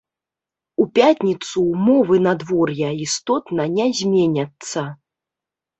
У пятніцу ўмовы надвор'я істотна не зменяцца.